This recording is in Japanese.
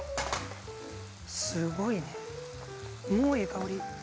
すごいね、もうええ香り。